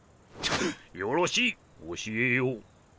よろしい教えよう。